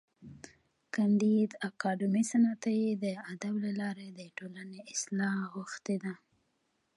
کانديد اکاډميسن عطایي د ادب له لارې د ټولني اصلاح غوښتې ده.